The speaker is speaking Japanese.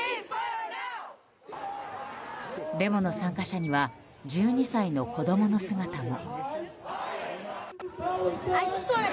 デモの参加者には１２歳の子供の姿も。